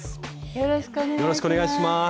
よろしくお願いします。